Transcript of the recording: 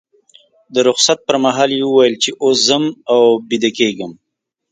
د رخصت پر مهال یې وویل چې اوس ځم او بیدېږم.